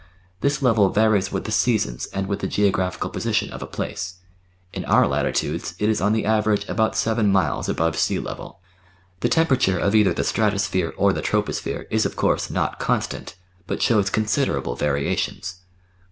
This level varies with the seasons and with the geographical position of a place ; in our latitudes it is on the average about seven miles above sea level. The temperature of either the stratosphere or the troposphere is of course not constant, but shows considerable variations.